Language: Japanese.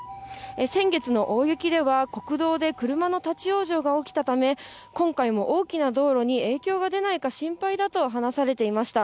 先月の大雪では、国道で車の立往生が起きたため、今回も大きな道路に影響が出ないか心配だと話されていました。